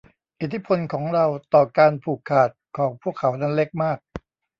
อิทธิพลของเราต่อการผูกขาดของพวกเขานั้นเล็กมาก